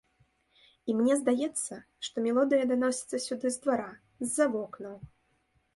І мне здаецца, што мелодыя даносіцца сюды з двара, з-за вокнаў.